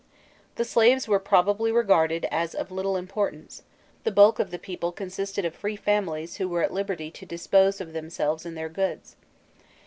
The slaves were probably regarded as of little importance; the bulk of the people consisted of free families who were at liberty to dispose of themselves and their goods.